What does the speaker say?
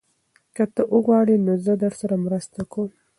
که ته وغواړې نو زه درسره مرسته کوم.